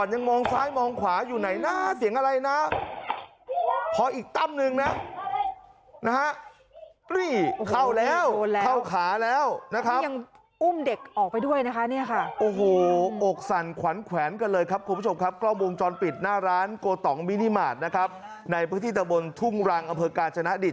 โกตองมินิมาร์ทนะครับในพื้นที่ตะวนทุ่งรังอเมืองกาจนาดิศ